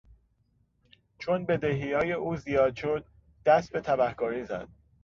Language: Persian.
چون بدهیهای او زیاد شد دست به تبهکاری زد.